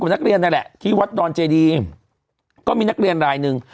นักเรียนนั่นแหละที่วัดดอนเจดีก็มีนักเรียนรายหนึ่ง